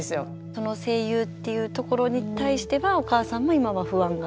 その声優っていうところに対してはお母さんも今は不安が？